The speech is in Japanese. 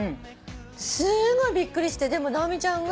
すごいびっくりしてでも直美ちゃんが。